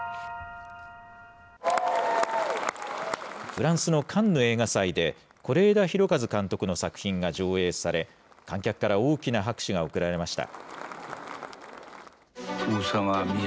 フランスのカンヌ映画祭で、是枝裕和監督の作品が上映され、観客から大きな拍手が送られました。